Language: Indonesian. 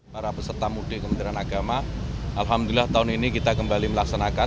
para peserta mudik kementerian agama alhamdulillah tahun ini kita kembali melaksanakan